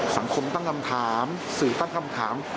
สังคมตั้งคำถามสื่อตั้งคำถาม